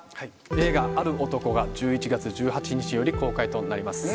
映画『ある男』が１１月１８日より公開となります。